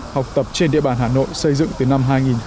học tập trên địa bàn hà nội xây dựng từ năm hai nghìn một mươi